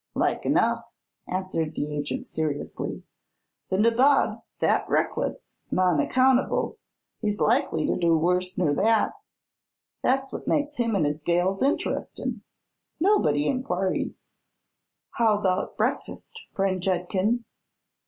"Like enough," answered the agent seriously. "The nabob's thet reckless an' unaccountable, he's likely to do worse ner that. That's what makes him an' his gals interestin'; nobody in quarries. How about breakfast, friend Judkins?"